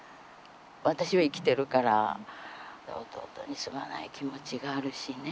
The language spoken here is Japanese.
私は生きてるから弟にすまない気持ちがあるしね